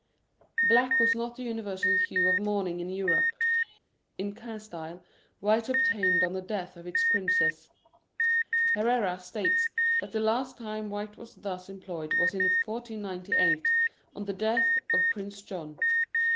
Black was not the universal hue of mourning in Europe. In Castile white obtained on the death of its princes. Herrera states that the last time white was thus employed was in 1498, on the death of Prince John.